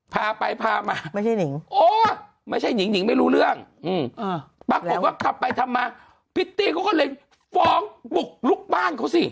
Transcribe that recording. พาไปพามาไม่ใช่หงิงไม่รู้เรื่องปรากฏว่ากลับไปทำมาพิธีก็เลยฟ้องบุกลูกบ้านเขาสิ